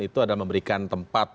itu adalah memberikan tempat